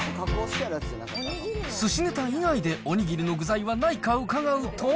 すしねた以外でおにぎりの具材はないか伺うと。